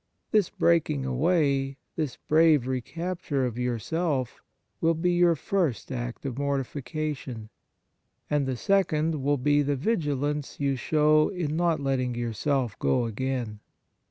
This breaking away, this brave recapture of yourself, will be your first act of mortification ; and the second will be the vigilance you will show in not letting yourself go again.